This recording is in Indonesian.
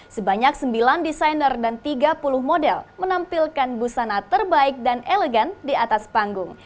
sebanyak sembilan desainer dan tiga puluh model menampilkan busana terbaik dan elegan di atas panggung